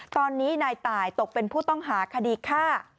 ตอนนี้นายตายตกเป็นผู้ต้องหาคดีฆ่า